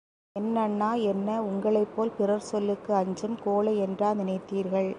என் அண்ணா என்ன உங்களைப்போல் பிறர் சொல்லுக்கு அஞ்சும் கோழையென்றா நினைத்தீர்கள்?